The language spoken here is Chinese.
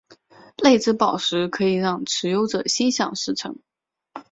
泪之宝石可以让持有者心想事成。